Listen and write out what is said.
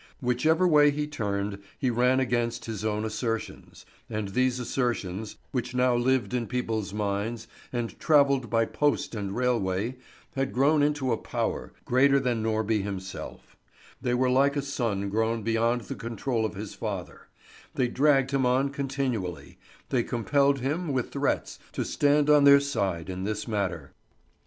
Whichever way he turned, he ran against his own assertions; and these assertions, which now lived in people's minds and travelled by post and railway, had grown into a power, greater than Norby himself; they were like a son grown beyond the control of his father; they dragged him on continually, they compelled him with threats to stand on their side in this matter.